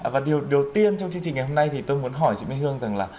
và điều đầu tiên trong chương trình ngày hôm nay thì tôi muốn hỏi chị minh hương rằng là